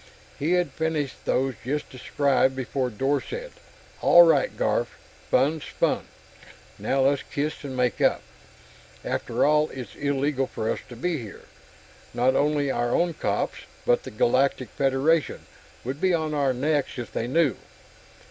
He had finished those just described before Dor said, "All right, Garf. Fun's fun; now let's kiss and make up. After all, it's illegal for us to be here not only our own cops, but the Galactic Federation, would be on our necks if they knew.